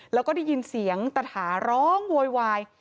แล้วก็ได้ยินเสียงตะถาร้องโวยวาย